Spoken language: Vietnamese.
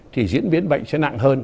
thì diễn biến bệnh sẽ nặng hơn